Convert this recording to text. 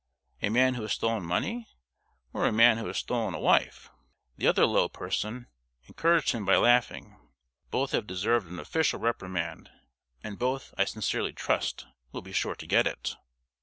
A man who has stolen money, or a man who has stolen a wife?" The other low person encouraged him by laughing. Both have deserved an official reprimand, and both, I sincerely trust, will be sure to get it.